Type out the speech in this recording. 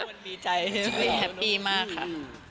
คนมีใจมีแฮปปี้มากค่ะ